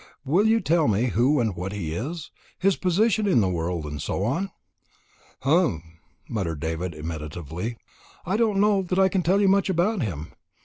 Will you tell me who and what he is his position in the world, and so on?" "Humph!" muttered Sir David meditatively; "I don't know that I can tell you much about him.